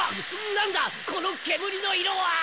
なんだこの煙の色は！